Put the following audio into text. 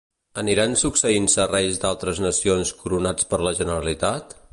Aniran succeint-se reis d'altres nacions coronats per la Generalitat?